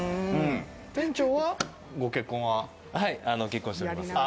店長は、ご結婚は？結婚しております。